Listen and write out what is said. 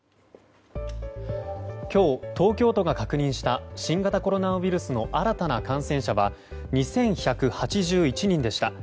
今日、東京都が確認した新型コロナウイルスの新たな感染者は２１８１人でした。